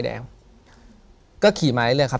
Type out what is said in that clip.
ถูกต้องไหมครับถูกต้องไหมครับ